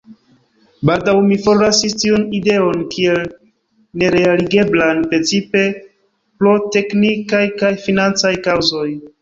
Baldaŭ mi forlasis tiun ideon kiel nerealigeblan, precipe pro teknikaj kaj financaj kaŭzoj.